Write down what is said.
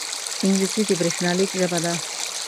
انګلیسي د بریښنالیک ژبه ده